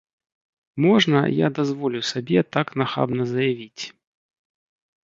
Можна, я дазволю сабе так нахабна заявіць?